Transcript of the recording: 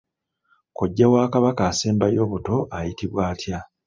Kojja wa Kabaka asembayo obuto ayitibwa atya?